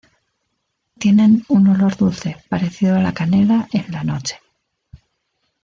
Tienen un olor dulce parecido a la canela en la noche.